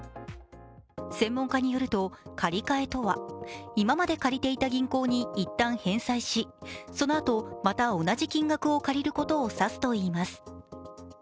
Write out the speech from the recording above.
専門家によると借り換えとは今まで借りていた銀行に一旦、返済し、そのあと、また同じ金額を借りることを指すといいます。